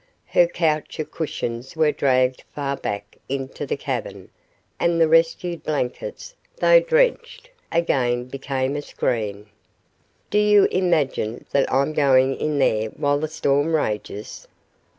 Her couch of cushions was dragged far back into the cavern and the rescued blankets, though drenched, again became a screen. "Do you imagine that I'm going in there while this storm rages?"